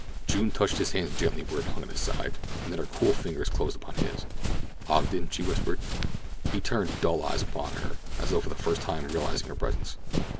June touched his hand gently where it hung at his side, and then her cool fingers closed upon his. "Ogden," she whispered. He turned dull eyes upon her, as though for the first time realizing her presence.